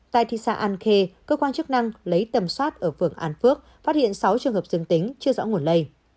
tại thị xã an khê cơ quan chức năng lấy tầm soát ở phường an phước phát hiện sáu trường hợp dương tính chưa rõ nguồn lây